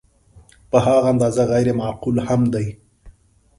په هغه اندازه غیر معقول هم دی.